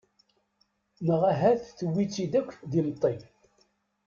Neɣ ahat tewwi-tt-id akk d imeṭṭi.